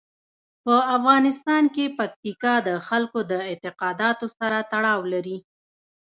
په افغانستان کې پکتیکا د خلکو د اعتقاداتو سره تړاو لري.